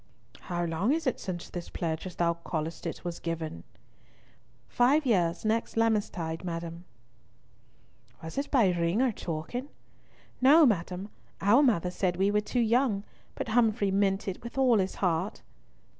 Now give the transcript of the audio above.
"How long is it since this pledge, as thou callest it, was given?" "Five years next Lammas tide, madam." "Was it by ring or token?" "No, madam. Our mother said we were too young, but Humfrey meant it with all his heart."